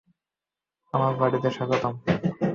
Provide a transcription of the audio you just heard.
আমার বাড়িতে স্বাগতম।